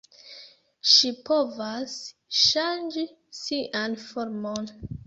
Ŝi povas ŝanĝi sian formon.